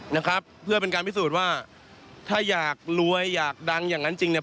นะครับเพื่อเป็นการพิสูจน์ว่าถ้าอยากรวยอยากดังอย่างนั้นจริงเนี่ย